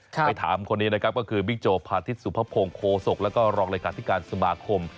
ไปถามคนนี้นะครับก็คือบิ๊กโจพาทิศสุภพงศ์โคศกแล้วก็รองเลขาธิการสมาคม